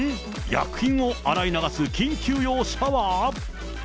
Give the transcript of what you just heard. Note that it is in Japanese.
薬品を洗い流す緊急用シャワー？